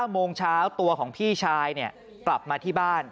โมงเช้าตัวของพี่ชายกลับมาที่บ้าน